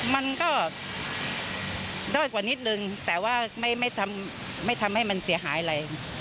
มันก็ด้อยกว่านิดนึงแต่ว่าไม่ทำให้มันเสียหายอะไร